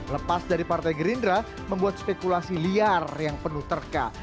lepas dari partai gerindra membuat spekulasi liar yang penuh terka